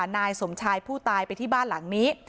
นายสมชายผู้ตายไปที่บ้านหลังนี้